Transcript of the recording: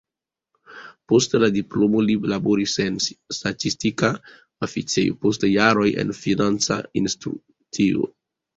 Post la diplomo li laboris en statistika oficejo, post jaroj en financa instituto.